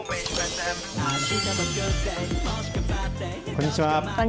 こんにちは。